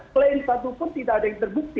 plain satu pun tidak ada yang terbukti